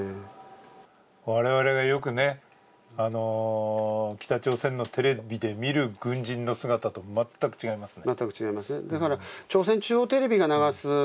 我々がよく北朝鮮のテレビで見る軍人の姿と全く違いますね？